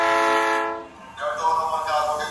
مېوې راټوله!!